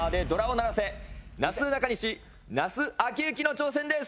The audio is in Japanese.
なすなかにし・那須晃行の挑戦です！